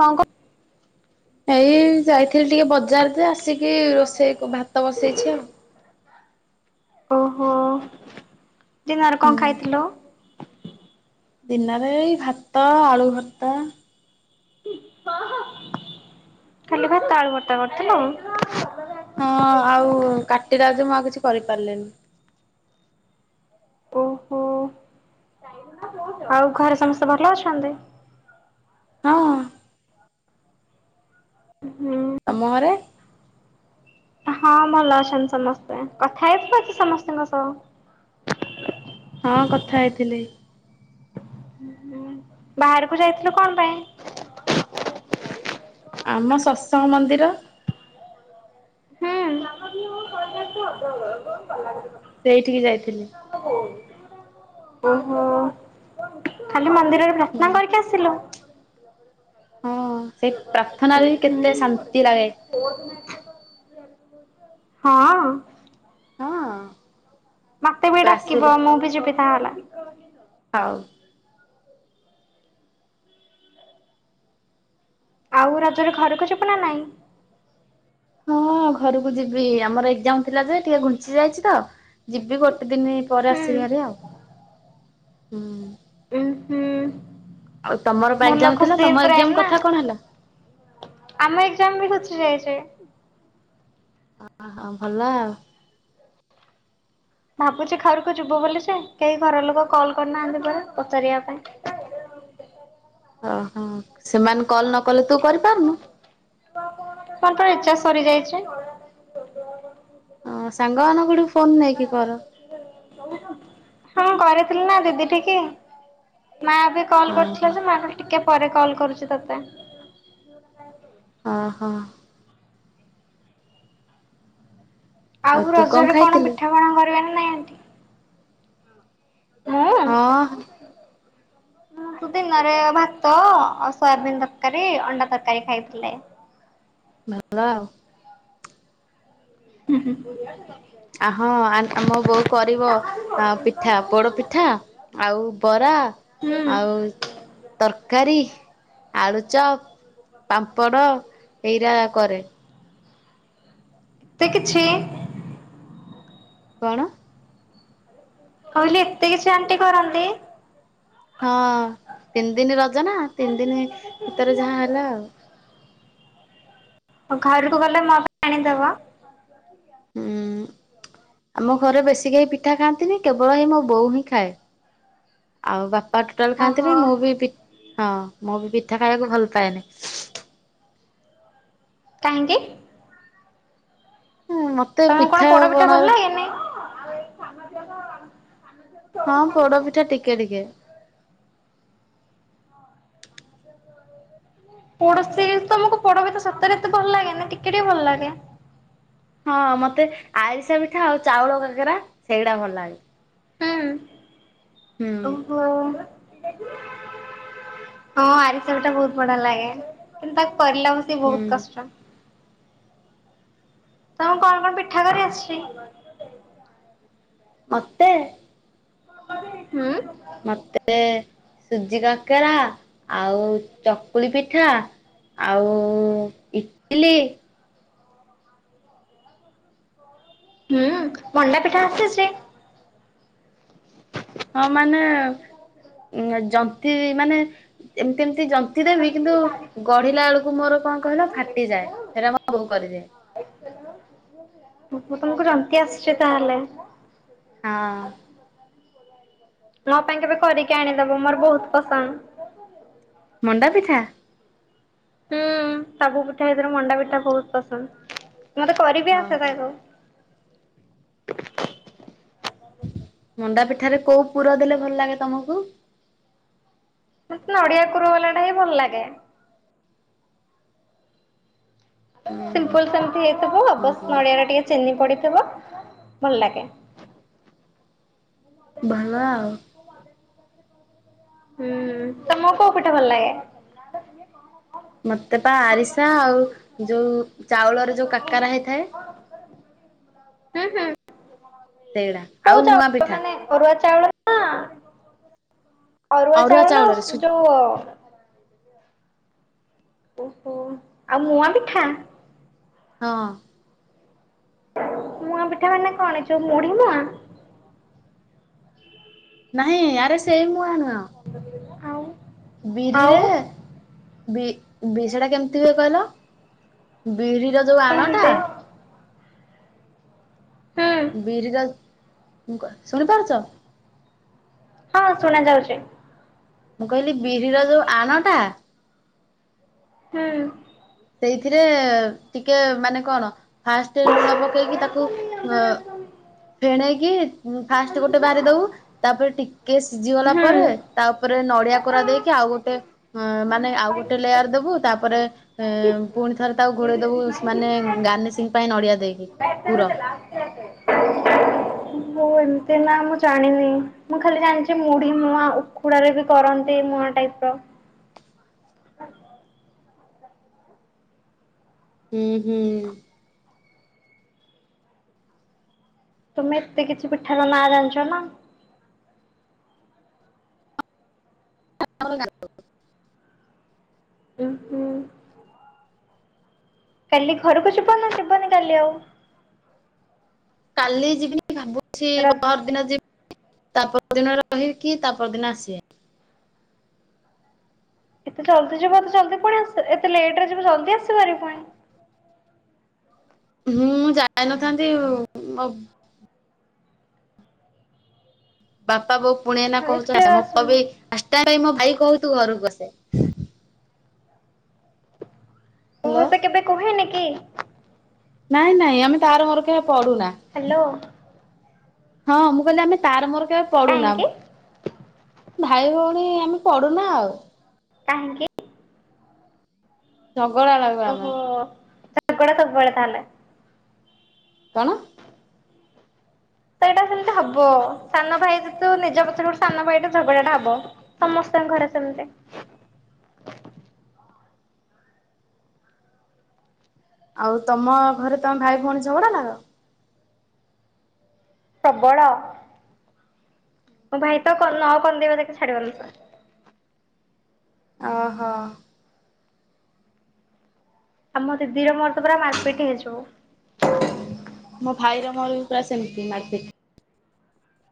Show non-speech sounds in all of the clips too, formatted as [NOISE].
କଣ [UNINTELLIGIBLE] ଏଇ ଯାଇଥିଲି ଟିକେ ବଜାରେଜେ ଆସିକି ରୋଷେଇ ଭାତ ବସେଇଛି ଆଉ ଓହୋ ଦିନରେ କଣ ହୁଁ ଖାଇଥିଲ? ଦିନରେ ଏଇ ଭାତ ଆଳୁଭର୍ତ୍ତା ହୁଁ କହ ଖାଲି କଣ କା ଆଳୁଭର୍ତ୍ତା କରିଥିଲ? ହଁ ଆଉ କାଟିଲାଜେ ମୁଁ ଆଉ କିଛି କରିପାରିଲିିନି। ଓହୋ ଆଉ ଘରେ ସମସ୍ତେ ଭଲ ଅଛନ୍ତି? ହଁ ହୁଁ ତ ମୁ [INAUDIBLE] ହଁରେ ହଁ ଭଲ ଅଛନ୍ତି ସମସ୍ତେ କଥା ହେଇଥିବ ଅଛି ସମସ୍ତଙ୍କ ସହ ହଁ କଥା ହେଇଥିଲି। ହଁ ବାହାରକୁ ଯାଇଥିଲୁ କଣ ପାଇଁ ଆମ ସତ୍ସଙ୍ଗ ମନ୍ଦିର ହୁଁ [INAUDIBLE] ସେଇଠିକି ଯାଇଥିଲି। ଓହୋ ଖାଲି ମନ୍ଦିରରେ ହୁଁ ପ୍ରାର୍ଥନା କରିକି ଆସିଲୁ। ହଁ ସେଇ ପ୍ରାର୍ଥନାରେ ବି ହୁଁ କେତେ ଶାନ୍ତି ଲାଗେ। ହଁ। ହଁ ଅ ମତେ ବି ଡାକିବ ମୁଁ ବି ଯିବିତାହେଲେ। ହଉ। ଆଉ ରଜରେ ଘରକୁ ଯିବୁ ନା ନାଇଁ। ହଁ ଘରକୁ ଯିବି ଆମର ଏଜାମ ଥିଲା ଯେ ଟିକେ ଘୁଞ୍ଚି ଯାଇଛି ତ ଯିବି ଗୋଟେ ଦିନ ପରେ ହୁଁ। ଆସିବାରେ ଆଉ ହୁଁ। ଏ ସେି [INAUDIBLE] ଆଉ ତମର ପା ଏକ୍ଜାମ ଥିଲା ତମ ଏକ୍ଜାମ କଥା କଣ ହେଲା। ଆମ ଏଜାମ ବି ଘୁଞ୍ଚି ଯାଇଚି। ହହଁ ଭଲ ଆଉ। ଭାବୁଛି ଘରକୁ ଯିବୁ ବୋଲି ଯେ କେହି ଘର ଲୋକ କଲ୍ କରିନାହାନ୍ତି ପରା ପଚାରିବା ପାଇଁ। ଓହୋ ସେମାନେ କଲ ନ କଲେ ତୁ କରିପାରୁନୁ। କଣ ମୋର ପା ରିଚ଼ାଜ ସରିଯାଇଛି। ହ ସାଙ୍ଗ ମାନଙ୍କଠୁ ଫୋନ୍ ନେଇକି କର। ହଁ କରିଥିଲି ନା ଦିଦି ଠିକେ ମା ବି କଲ୍ ଓହୋ। କରିଥିଲା ସେ ମାଙ୍କ ଟିକେ ପରେ କଲ କରୁଛି ତୋତେ। ହ ହଁ। ଆଉ ରଜରେ କଣ ପିଠାପଣା କରିବେ ନା ନାଇଁ ମୁଁ ହଁ। [INAUDIBLE] ଦିନରେ ଭାତ ଆଉ ସୋୟାବିନ ତରକାରୀ ଅଣ୍ଡା ତରକାରୀ ଖାଇଥିଲେ। ଭଲ ଆଉ। ହୁଁ ଆ ହଁ ଆମ ବୋଉ କରିବ ପିଠା ପୋଡ ପିଠା ଆଉ ବରା ହୁଁ। ଆଉ ତରକାରୀ ଆଳୁଚପ ପାମ୍ପଡ଼ ଏଇରା କରେ। ଏତେ କିଛ କଣ। କହିଲି ଏତେ କିଛି ଆଣ୍ଟି କରନ୍ତି। ହଁ ତିନି ଦିନ ରଜନା ତିନି ଦିନ ଭିତରେ ଯାହା ହେଲା ଆଉ। ଆଉ ଘରକୁ ଗଲେ ମୋ ପାଇଁ ଆଣିଦବ। ହୁଁ [UNINTELLIGIBLE] ଆମ ଘରେ ବେଶୀ କେହି ପିଠା ଖାଆନ୍ତିନି କେବଳ ଏଇ ମୋ ବୋଉ ହିଁ ଖାଏ। ଆଉ ବାପା ଟୋଟାଲ ଓହୋ ଖାଆନ୍ତିନି ମୁଁ ବି ପି ହଁ ମୁଁ ବି ପିଠା ଖାଇବାକୁ ଭଲ ପାଏନି। କାହିଁକି? ହୁଁ ମତେ ତମକୁ କଣ ପିଠା ଆଉ ପୋଡପିଠା ପଣା ଭଲ ଲାଗେନି? ହଁ ପୋଡପିଠା ଟିକେ ଟିକେ। ପୋଡଶ୍ରୀ ତମକୁ ପୋଡା ପିଠା ସତରେ ଏତେ ଭଲ ଲାଗେ ନା ଟିକେ ଟକେ ଭଲ ଲାଗେ। ହଁ ମତେ ଆରିସା ପିଠା ଆଉ ଚାଉଳ କାକେରା ସେଇଗୁଡା ଭଲ ଲାଗେ। ହୁଁ ହୁଁ ଓହୋ। ହଁ ଆରିସାପିଠା ବହୁତ ବଢିଆ ଲାଗେ। କିନ୍ତୁ ତାକୁ କରିଲା ବେ ହୁଁ ବହୁତ କଷ୍ଟ। ତମକୁ କଣ କଣ ପିଠା କରି ଆସିଛି? ମତେ ହୁଁ। ମତେ ସୁଜି କାକେରା ଆଉ ଚକୁଳି ପିଠା ଆଉ ଇଟିଲି ହୁଁ ମଣ୍ଡା ପିଠା ଆସିଛି। ହଁ ମାନେ ଯନ୍ତି ମାନେ ଏମତି ଏମିତି ଯ ନ୍ତି ଦେବି କିନ୍ତୁ ଗଢିଲା ବେଳକୁ ମୋର କଣ କହିଲ ଫାଟିଯାଏ ହେରା ମୋ ବୋଉ କରେ। ଓହୋ ତମକୁ ଯନ୍ତି ଆସୁଛି ତାହେଲେ। ହଁ ମୋ ପାଇଁ କେବେ କରିକି ଆଣିଦବ ମୋର ବହୁତ ପସନ୍ଦ। ମଣ୍ଡା ପିଠା? ହୁଁ ସାବୁ ପିଠା ଭିତୁରୁ ମଣ୍ଡା ପିଠା ବହୁତ ପସନ୍ଦ ମତେ କରିବି ଆସେ ଓହୋ ତାକୁ। ମଣ୍ଡା ପିଠାରେ କୋଉ ପୁର ଦେଲେ ଭଲ ଲାଗେ ତମକୁ? ମତେ ନଡିଆ କୂର ବାଲାଟା ହିଁ ଭଲ ଲାଗେ। ଉଁ ସିମ୍ପଲ ସେମିତି ହେଇଥିବ ବାସ୍ ନଡିଆରେ ଟିକେ ଚିନି ପଡିଥିବ ଭଲ ଲାଗେ। ଭଲ ଆଉ। ହୁଁ ତୁମକୁ କୋଉ ପିଠା ଭଲ ଲାଗେ? ମତେ ପା ଆରିସା ଆଉ ଯୋଉ ଚାଉଳରେ ଯୋଉ କାକେରା ହେଇଥାଏ। ହୁଁ ହୁଁ ସେଇଡା କୋଉ ଆଉ ମୁଆଁ ଚାଉଳ ପିଠା। ମାନେ ଅରୁଆ ଚାଉଳ ନା ଅରୁଆ ଚାଉଳ ନା ଚାଉଳରେ ଉସୁ ସୁଜି ଯୋଉ ଓହୋ ଆଉ ମୁଆଁ ପିଠା। ହଁ ମୁଆଁ ପିଠା ମାନେ କଣ ଏ ଯୋଉ ମୁଢି ମୁଆଁ। ନାଇଁ ଆରେ ସେ ମୁଆଁ ନୁହଁ। ଆଉ ଆଉ ବିରିରେ ବି ବି ସେଟା କେମିତି ହୁଏ କହିଲ? ବିରିର ଯୋଉ ଆଣଟା କେମିତି ହୁଁ ବିରିର ଗ ଶୁଣିପାରୁଚ। ହଁ ଶୁଣା ଯାଉଛି। ମୁଁ କହିଲି ବିରିର ଯୋଉ ଆଣଟା ହୁଁ ସେଇଥିରେ ଟିକେ ମାନେ କଣ? ଫାଷ୍ଟରେ ଲୁଣ ପକେଇକି ତାକୁ ଅ ଫେଣେଇକି ଫାଷ୍ଟ ଗୋଟେ ବାରି ଦଉ ତାପରେ ଟିକେ ସିଝି ଗଲା ହୁଁ ପରେ ତାପରେ ନଡିଆ କୋରା ଦେଇକି ଆଉ ଗୋଟେ ହଁ ମାନେ ଆଉ ଗୋଟେ ଲେୟାର ଦବୁ ତାପରେ ଏ ପୁଣି ଥରେ ତାକୁ ଘୋଡେଇ ଦବୁ ମାନେ ଗାନେସିଂ ପାଇଁ ନଡିଆ ଦେଇକି ପୁର ଏମତି ନା ମୁଁ ଜାଣିନି। ମୁଁ ଖାଲି ଜାଣିଛି ମୁଢି ମୁଆ ଉକୁଡାରେ ବି କରନ୍ତି ମୁଆ ଟାଇପ ର ହୁଁ ହୁଁ। ତୁମେ ଏତେ କିଛି ପିଠାାର ମା ଜାଣିଛ ନା? ଆମେ କାଇଁ ଜାଣିବୁ। ଉଁ ହୁଁ। କାଲି ଘରକୁ ଯିବନା ଯିବନି କାଲି ଆଉ? କାଲି ଯିବିନି ଭାବୁଛି ର ପର ଦିନ ଯିବି ତା ପର ଦିନ ରହିକି ତା ପର ଦିନ ଆସିବେ। ଏତେ ଜଲଦ ଯିବ ତ ଜଲଦି ପଣିସ ଏତେ ଲେଟରେ ଯିବ ଜଲଦି ଆସିବାରି ପୁଣି? ହୁଁ ମୁଁ ଯାଇ ନଥାନ୍ତି ମୋ ପୁ ବାପା ବୋଉ ପୁଣି ଏଇନା ଭଏସ୍ କହୁଛ ଆସ କ୍ଲିୟର ମୁଁ ଆସୁନି କହିଲି ଫାଷ୍ଟଟାଇମ୍ ପାଇଁ ମୋ ଭାଇ କହୁଛୁ ଘରକୁ ଆସେ। ମୁଁ ହ୍ୟାଲୋ। ତତେ କେବେ କୁହେନି କି। ନାଇଁ ନାଇଁ ଆମେ ତାର ମୋର କେ ପଢୁନା। ହ୍ୟାଲୋ। ହଁ ମୁଁ କହିଲି ଆମେ ତାର ମୋର କେବେ ପଡୁନା। କାହିଁକି ଭାଇ ଭଉଣୀ ଆମେ ପଡୁନା ଆଉ। କାହିଁକି? ଝଗଡ଼ା ଲାଗୁ। ଆମେ ଓହୋ ଝାଗଡା ସବୁବେଳେ ତାହେଲେ। କଣ? ତ ଏଇଟା ସେମିତି ହବ ସାନ ଭାଇ ଯେ ତୁ ନିଜ ପଛରେ ଗୋଟେ ସାନ ଭାଇଟ ଝଗଡାଟା ହବ। ସମସ୍ତଙ୍କ ଘରେ ସେମିତି। ଆଉ ତମ ଘରେ ତମେ ଭାଇ ଭଉଣୀ ଝଗଡା ଲାଗ? ପ୍ରବଳ ମୋ ଭାଇ ତ ନକନ୍ଦେଇବା ଯାକେ ଛାଡିବନି। ଓହୋ। ଆମ ଦିଦି ର ମୋର ତ ପୁରା ମାରପିଟ ହେଇଯିବୁ। ମୋ ଭାଇର ମୋର ପୁରା ସେମିତି ମାରପିଟି।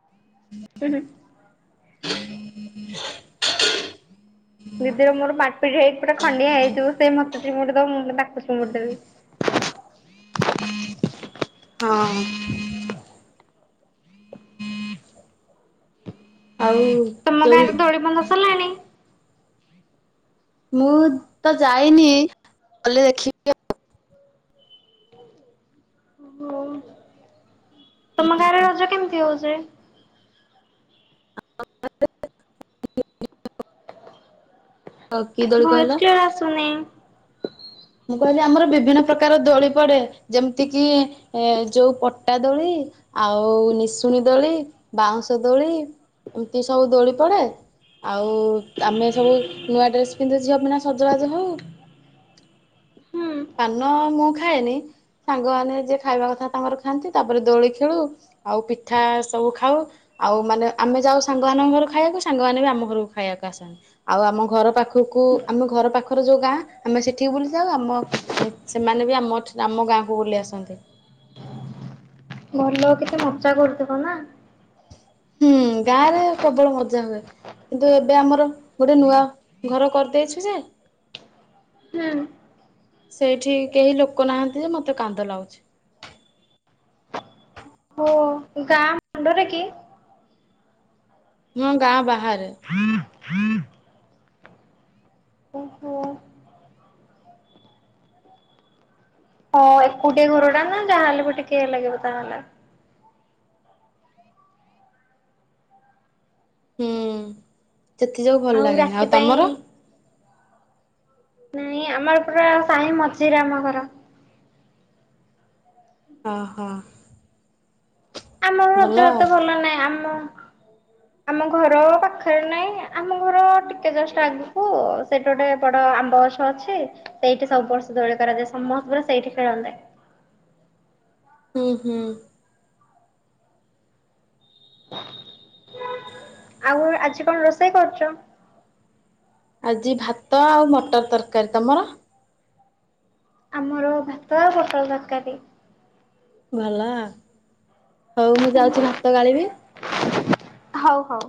ହଁ [UNINTELLIGIBLE] ହୁଁ ହୁଁ। ହୁଁ [UNINTELLIGIBLE] ଦିଦି ର ମୋର ମାର ପିଠି ହେଇି ପୁରା ଖଣ୍ଡିଆ ହେଇଯିବୁ ସେ ମତେ ଚିମୁଡି ଦେବ ମୁଁ ଡାକୁ ଚିମୁୁଡି ଦେବି। ହଁ। ଆଉ ତମ ଯୋଉ ଗାଁରେ ଦୋଳିିବନ୍ଧା ସରିଲାଣି। ମୁଁ ତ ଯାଇନି ଗଲେ ଦେଖିବି। ହଉ ତମ ଗାଁ ରେ ରଜ କେମିତି ହଉଛି? [INAUDIBLE] କି ଦୋଳି ଭଏସ୍ କହିଲ? କ୍ଲିୟର ଆସୁନି। ମୁଁ କହିଲି ଆମର ବିଭିନ୍ନ ପ୍ରକାର ଦୋଳି ପଡେ ଯେମିତି କିି ଏ ଯୋଉ ପଟା ଦୋଳି ଆଉ ନିଶୁଣୀ ଦୋଳି ବାଉଁଶ ଦୋଳି। ଏମିତି ସବୁ ଦୋଲି ପଡେ। ଆଉ ତାମେ ସବୁ ନୂଆ ଡ୍ରେସ୍ ପିନ୍ଧୁ ଝିଅ ମାନେ ସଜବାଜ ହଉ। ହୁଁ ପାନ ମୁଁ ଖାଏନି ସାଙ୍ଗମାନେ ଯିଏ ଖାଇବା କଥା ତାଙ୍କର ଖାଆନ୍ତି। ତାପରେ ଦୋଳି ଖେଳୁ। ଆଉ ପିଠା ସବୁ ଖାଉ। ଆଉ ମାନେ ଆମେ ଯାଉ ସାଙ୍ଗମାନଙ୍କ ଘରକୁ ଖାଇବାକୁ ସାଙ୍ଗମାନେ ବି ଆମ ଘରକୁ ଖାଇବାକୁ ଆସନ୍ତି। ଆଉ ଆମ ଘର ପାଖକୁ ଆମ ଘର ପାଖର ଯୋଉ ଗାଁ ଆମେ ସେଠି ବୁଲି ଯାଉ ଆମ ସେମାନେ ବି ଆମ ଠ ଆମ ଗାଁକୁ ବୁଲି ଆସନ୍ତି। ଭଲ କେତେ ମଜା କରୁଥିବ ନା। ହୁଁ ଗାଁ ରେ ପ୍ରବଳ ମଜା ହୁଏ। କିନ୍ତୁ ଏବେ ଆମର ଗୋଟେ ନୂଆ ଘର କରିଦେଇଚୁ ଯେ [INAUDIBLE] ସେଇଠି କେହି ଲୋକ ନାହାନ୍ତି। ଯେ ମୋତେ କାନ୍ଦ ଲାଗୁଚି। ଓ ଗାଁ ମୁଣ୍ଡରେ କି? ହଁ ଗାଁ ବାହାରେ। [INAUDIBLE] ଓହୋ ହଁ ଏକୁଟିଆ ଘର ଟା ନା ଯାହାହେଲେ ଟିକେ ଲାଗିବ ତାହେଲେ। ହୁଁ। ସେଥିଯୋଗୁ ଭ ଆଉ ରାତି ପାଇଁ। ନାଇଁ ଆମର ପୁରା ସାହି ମଝିରେ ଆମ ଘର। ଅ ହଁ। ଆମର ରଜ ଆଉ ଏତେ ଭଲ ନାହିଁ ଆମ ଆମ ଘର ପାଖରେ ନାଇଁ ଆମ ଘର ଟିକେ ଜଷ୍ଟ ଆଗକୁ ସେଇଠି ଗୋଟେ ବଡ ଆମ୍ବ ଗଛ ଅଛି। ସେଇଠି ସବୁ ବର୍ଷ ଦୋଳି କରାଯାଏ ସମସ୍ତେ ପୁରା ସେଇଠି ଖେଳନ୍ତି। ହୁଁ ହୁଁ। ଆଉ ଆଜି କଣ ରୋଷେଇ କରୁଚ? ଆଜି ଭାତ ଆଉ ମଟର ତରକାରୀ। ତମର? ଆମର ଭାତ ଆଉ ପୋଟଳ ତରକାରୀ। ଭଲ। ହଉ ମୁଁ ଯାଉଚି ଭାତ ଗାଳିବି। ହଉ ହଉ।